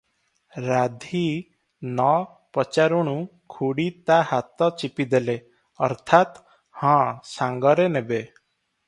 ରାଧୀ ନ ପଚାରୁଣୁ ଖୁଡ଼ି ତା ହାତ ଚିପିଦେଲେ - ଅର୍ଥାତ, ହଁ ସାଙ୍ଗରେ ନେବେ ।